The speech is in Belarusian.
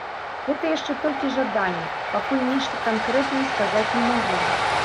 Гэта яшчэ толькі жаданне, пакуль нешта канкрэтнае сказаць не магу.